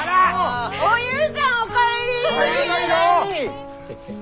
おゆうさんお帰り！